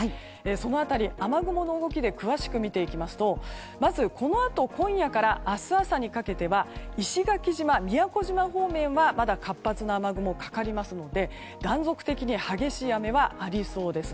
その辺り雨雲の動きで詳しく見てみますとまずこのあと今夜から明日朝にかけては石垣島、宮古島方面はまだ活発な雨雲かかりますので、断続的に激しい雨はありそうです。